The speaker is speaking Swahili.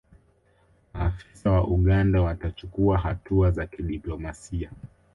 maafisa wa uganda watachukua hatua za kidiplomasia